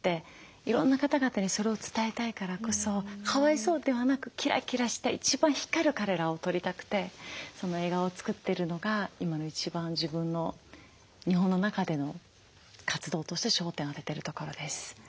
いろんな方々にそれを伝えたいからこそかわいそうではなくキラキラした一番光る彼らを撮りたくてその映画を作ってるのが今の一番自分の日本の中での活動として焦点を当ててるところです。